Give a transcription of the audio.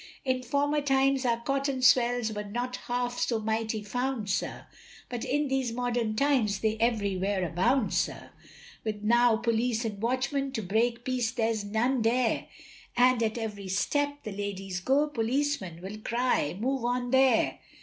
In former times our cotton swells were not half so mighty found, sir, But in these modern times they everywhere abound, sir, With now police and watchmen, to break peace there's none dare And at every step the ladies go, policemen will cry, move on there'.